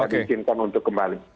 dijinkan untuk kembali